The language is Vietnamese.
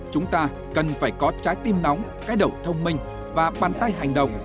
chúng ta cần phải có trái tim nóng cái đầu thông minh và bàn tay hành động